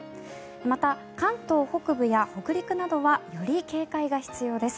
また、関東北部や北陸などはより警戒が必要です。